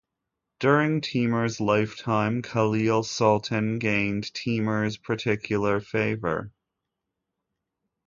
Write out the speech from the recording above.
During Timur's lifetime, Khalil Sultan gained Timur's particular favor.